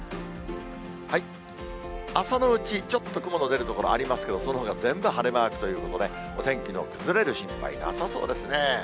朝のうち、ちょっと雲の出る所ありますけれども、そのほか全部晴れマークということで、お天気の崩れる心配なさそうですね。